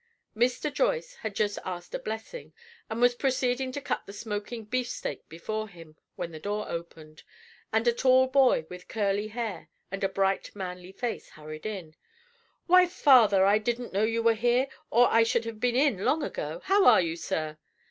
Mr. Joyce had just asked a blessing, and was proceeding to cut the smoking beefsteak before him, when the door opened, and a tall boy, with curly hair and a bright manly face, hurried in. "Why, father, I didn't know you were here, or I should have been in long ago. How are you, sir?"